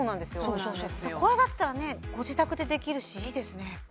そうそうそうこれだったらねご自宅でできるしいいですね